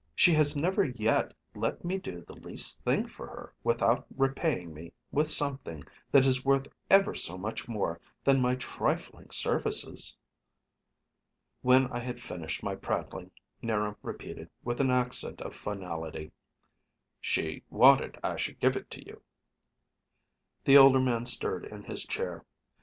She has never yet let me do the least thing for her without repaying me with something that is worth ever so much more than my trifling services." When I had finished my prattling, 'Niram repeated, with an accent of finality, "She wanted I should give it to you." The older man stirred in his chair.